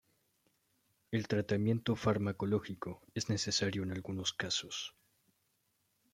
El tratamiento farmacológico es necesario en algunos casos.